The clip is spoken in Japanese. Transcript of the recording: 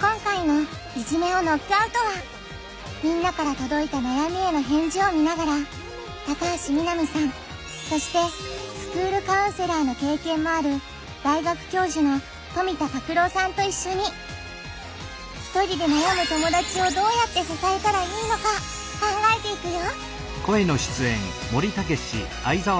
今回の「いじめをノックアウト」はみんなからとどいた悩みへの返事を見ながら高橋みなみさんそしてスクールカウンセラーの経験もある大学教授の富田拓郎さんといっしょにひとりで悩む友だちをどうやって支えたらいいのか考えていくよ